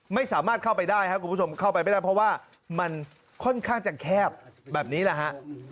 ไม่สามารถเข้าไปได้ครับคุณผู้ชมเข้าไปไม่ได้เพราะว่ามันค่อนข้างจะแคบแบบนี้แหละฮะ